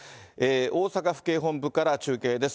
大阪府警本部から中継です。